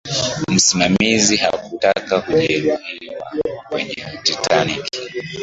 msimamizi hakutaka kuajiriwa kwenye titanic